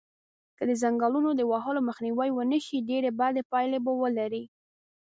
که د ځنګلونو د وهلو مخنیوی و نشی ډیری بدی پایلی به ولری